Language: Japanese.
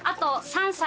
３歳？